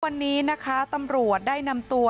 วันนี้นะคะตำรวจได้นำตัว